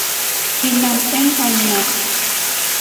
Kinam eng aino